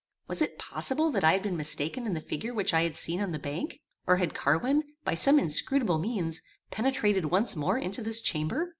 Was it possible that I had been mistaken in the figure which I had seen on the bank? or had Carwin, by some inscrutable means, penetrated once more into this chamber?